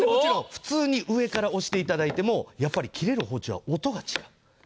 普通に上から押していただいても切れる包丁は音が違う。